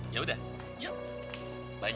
yaudah ya sekarang